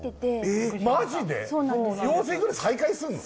養成所で再会すんの？